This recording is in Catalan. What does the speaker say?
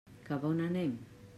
Cap a on anem?